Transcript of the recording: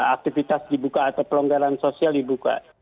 aktivitas dibuka atau pelonggaran sosial dibuka